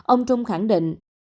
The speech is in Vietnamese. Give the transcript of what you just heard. ông trung khẳng định